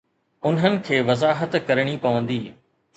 انهن کي وضاحت ڪرڻي پوندي.